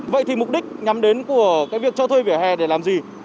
vậy thì mục đích nhắm đến của cái việc cho thuê vỉa hè để làm gì